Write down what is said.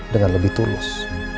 dengan lebih tulus